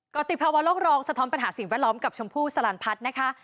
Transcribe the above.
กรติภาวะโลกรองสะท้อนปัญหาสิ่งแวดล้อมกับชมพู่สลันพัฒน์นะคะ